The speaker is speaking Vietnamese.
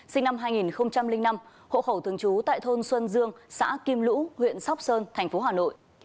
sinh năm hai nghìn năm hộ khẩu thường trú tại thôn xuân dương xã kim lũ huyện sóc sơn thành phố hà nội